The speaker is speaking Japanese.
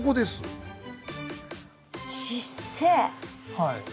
はい。